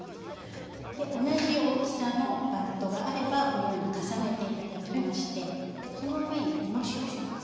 で同じ大きさのバットがあればこのように重ねて頂きましてその上におもしをします。